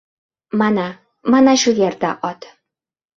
— Mana! Mana shu yerda ot!